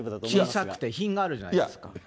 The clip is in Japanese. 小さくて品があるじゃないですか。